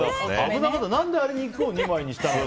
何であれ、肉を２枚にしたのか。